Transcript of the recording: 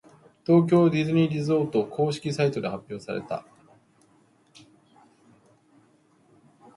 東京ディズニーリゾート公式サイトで発表された。